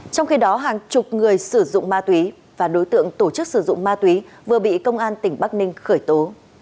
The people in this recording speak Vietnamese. trong khi đó hàng chục người sử dụng ma túy và đối tượng tổ chức sử dụng ma túy vừa bị công an tỉnh bắc ninh khởi tố